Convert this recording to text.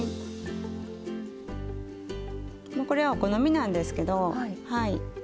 もうこれはお好みなんですけどはい。